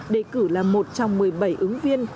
đề cử là một trong một mươi bảy ứng viên